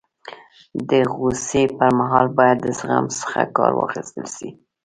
د غوصي پر مهال باید د زغم څخه کار واخستل سي.